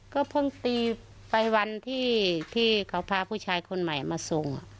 ก็เพิ่งตีไปวันที่เขาพาผู้ชายคนใหม่มาส่ง